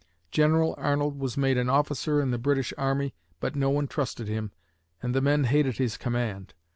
General Arnold was made an officer in the British army, but nobody trusted him, and the men hated his command.